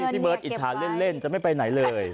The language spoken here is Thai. พี่เบิร์ตอิจฉาเล่นจะไม่ไปไหนเลย